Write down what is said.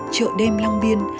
trợ đêm long biên